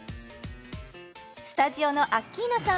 スタジオのアッキーナさん